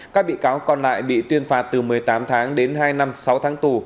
các bị cáo còn lại bị tuyên phạt từ một mươi tám tháng đến hai năm sáu tháng tù